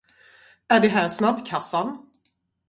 Är det här snabbkassan?